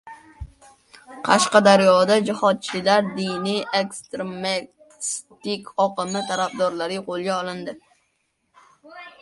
Qashqadaryoda “Jihodchilar” diniy ekstremistik oqimi tarafdorlari qo‘lga olindi